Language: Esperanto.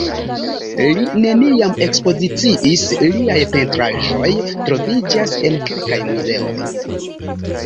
Li neniam ekspoziciis, liaj pentraĵoj troviĝas en kelkaj muzeoj.